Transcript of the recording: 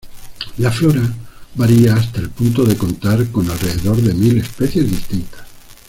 La flora varía hasta el punto de contar con alrededor de mil especies distintas.